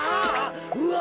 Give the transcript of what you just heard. うわ。